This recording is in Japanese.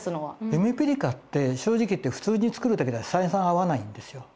ゆめぴりかって正直言って普通に作るだけじゃ採算合わないんですよ。